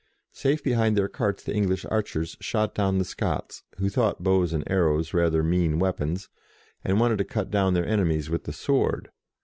Safe behind their carts, the English archers shot down the Scots, who thought bows and arrows rather mean weapons, and wanted to cut down their enemies with the sword.